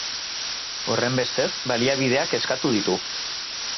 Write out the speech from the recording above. Horrenbestez, baliabideak eskatu ditu.